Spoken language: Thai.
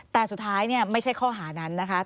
แต่สุดท้ายเนี่ยไม่ใช่ข้อหานั้นนะคะ